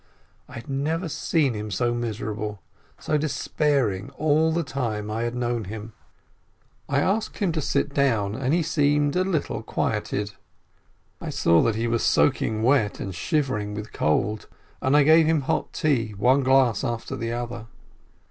I had never seen him so miserable, so despair ing, all the time I had known him. I asked him to sit down, and he seemed a little quieted. I saw that he was soaking wet, and shivering with cold, and I gave him hot tea, one glass after the other.